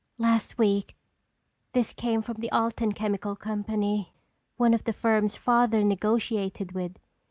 "Last week this came from the Alton Chemical Company—one of the firms Father negotiated with.